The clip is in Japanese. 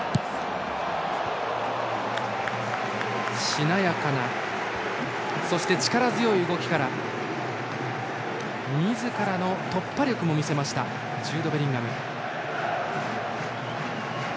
しなやかなそして力強い動きからみずからの突破力も見せましたジュード・ベリンガム。